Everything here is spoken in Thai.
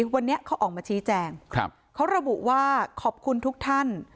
วันนี้เขาออกมาชี้แจงเขาระบุว่าขอบคุณทุกท่าน